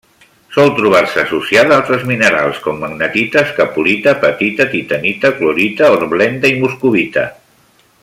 Sol trobar-se associada a altres minerals com: magnetita, escapolita, apatita, titanita, clorita, hornblenda i moscovita.